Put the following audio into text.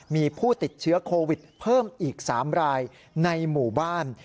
มีผู้ติดเชื้อโควิดเพิ่มอีก๓รายในหมู่บ้าน